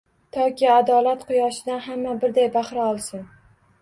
Toki, adolat quyoshidan hamma birday bahra olsin